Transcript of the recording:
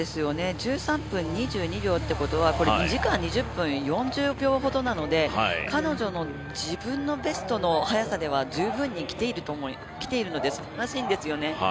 １３分２２秒ということは２時間２０分４０秒ほどなので彼女の自分のベストの速さでは十分に来ているのですばらしいんですよね。